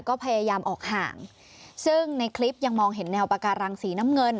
ก็พยายามออกห่างซึ่งในคลิปยังมองเห็นแนวปาการังสีน้ำเงิน